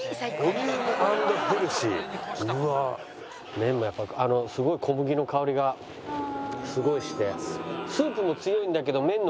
麺もやっぱすごい小麦の香りがすごいして。